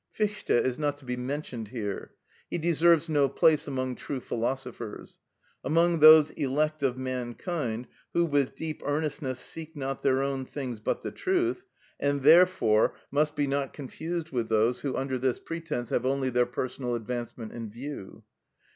Fichte is not to be mentioned here: he deserves no place among true philosophers; among those elect of mankind who, with deep earnestness, seek not their own things but the truth, and therefore must not be confused with those who, under this pretence, have only their personal advancement in view.